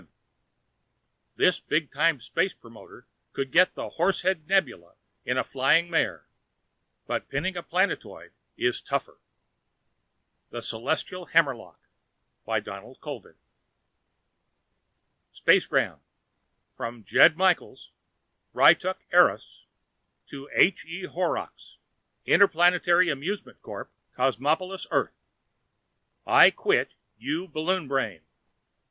] This bigtime space promoter could get the Horsehead Nebula in a flying mare but pinning a planetoid is tougher! SPACEGRAM From: Jed Michaels, Ryttuk, Eros To: H. E. Horrocks, Interplanetary Amusement Corp., Cosmopolis, Earth I QUIT, YOU BALLOON BRAIN.